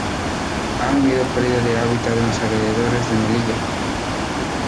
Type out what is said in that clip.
Ha habido perdida de hábitat en los alrededores de Melilla.